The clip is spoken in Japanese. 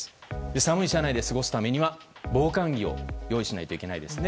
寒い車内で過ごすためには防寒着を用意しないといけないですね。